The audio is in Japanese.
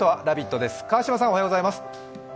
です、川島さん、おはようございます。